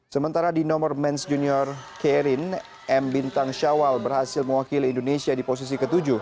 sementara di nomor men's junior kerin m bintang shawal berhasil mewakili indonesia di posisi ke tujuh